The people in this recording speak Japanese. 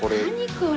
これ。